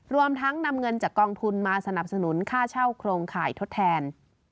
รวมทั้งนำเงินจากกองทุนมาสนับสนุนค่าเช่าโครงข่ายทดแทน